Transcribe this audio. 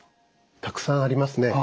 たくさんありますね。